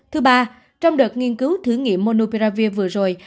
thứ ba trong đợt nghiên cứu thử nghiệm monopravir vừa rồi